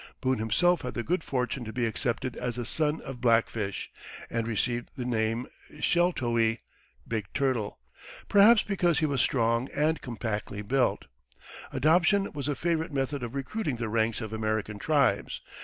Boone himself had the good fortune to be accepted as the son of Black Fish, and received the name Sheltowee (Big Turtle) perhaps because he was strong and compactly built. Adoption was a favorite method of recruiting the ranks of American tribes.